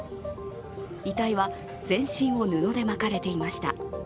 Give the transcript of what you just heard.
遺体は全身を布で巻かれていました。